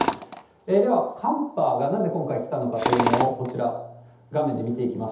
では、寒波がなぜ今回来たのかというのを、こちら、画面で見ていきます。